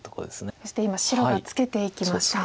そして今白がツケていきました。